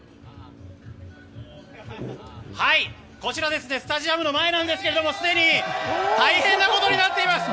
こちらスタジアムの前なんですがすでに大変なことになっています。